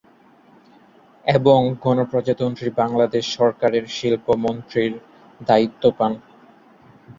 এবং গণপ্রজাতন্ত্রী বাংলাদেশ সরকারের শিল্প মন্ত্রীর দায়িত্ব পান।